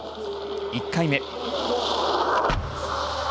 １回目。